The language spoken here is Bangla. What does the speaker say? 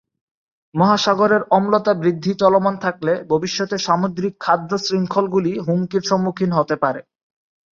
মহাসাগরের অম্লতা বৃদ্ধি চলমান থাকলে ভবিষ্যতে সামুদ্রিক খাদ্য-শৃঙ্খলগুলি হুমকির সম্মুখীন হতে পারে।